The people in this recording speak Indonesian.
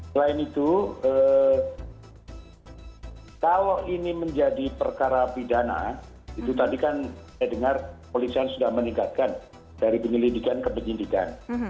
selain itu kalau ini menjadi perkara pidana itu tadi kan saya dengar polisian sudah meningkatkan dari penyelidikan ke penyidikan